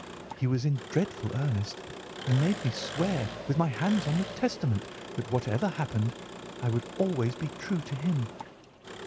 He was in dreadful earnest and made me swear, with my hands on the Testament, that whatever happened I would always be true to him.